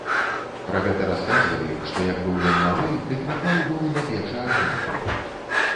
Пра гэта расказвалі, што як быў ён малы, дык наклаў быў на печы агню.